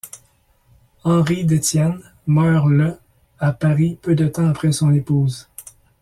Henry d'Estienne meurt le à Paris, peu de temps après son épouse.